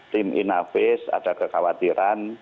tim in a face ada kekhawatiran